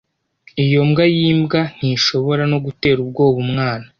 Iyo mbwa yimbwa ntishobora no gutera ubwoba umwana.